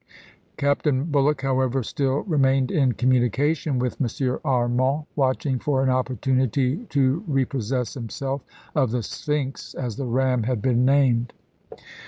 Captain Bulloch, however, still re mained in communication with M. Arman, watch ing for an opportunity to repossess himself of the Sphinx, as the ram had been named.